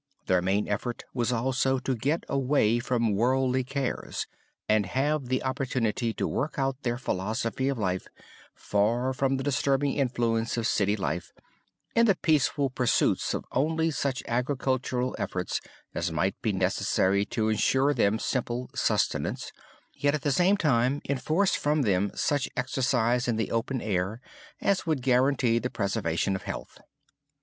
Their main effort was also to get away from worldly cares and have the opportunity to work out their philosophy of life far from the disturbing influence of city life, in the peaceful pursuit of only such agricultural efforts as might be necessary to ensure them simple sustenance, yet at the same time enforce from them such exercise in the open air as would guarantee the preservation of health.